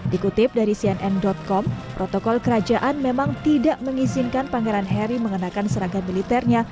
dikutip dari cnn com protokol kerajaan memang tidak mengizinkan pangeran harry mengenakan seragam militernya